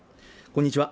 こんにちは